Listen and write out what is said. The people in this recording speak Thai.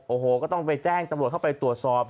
โอ้โหก็ต้องไปแจ้งตำรวจเข้าไปตรวจสอบ